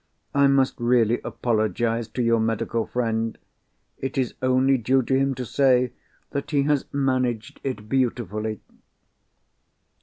I must really apologise to your medical friend. It is only due to him to say that he has managed it beautifully!"